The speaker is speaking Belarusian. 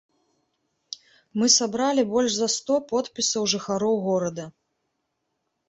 Мы сабралі больш за сто подпісаў жыхароў горада.